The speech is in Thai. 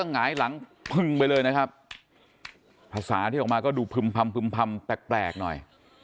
ข้องหายหลังพึงไปเลยนะครับภาษาที่มาก็ดูพึ่มแปลกหน่อย